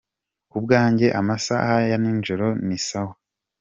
Ku bwanjye amasaha ya ninjoro ni sawa.